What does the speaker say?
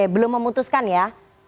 belum memutuskan ya